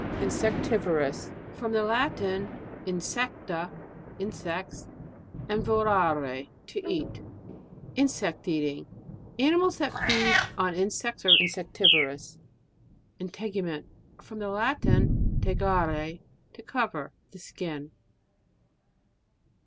INSECTIVOROUS. From the Latin, t'n secta, insects, and vorure, to eat Insect eating. Animals that feed on insects are insectivorous. INTEGUMENT. From the Latin, tegere, to cover. The skin.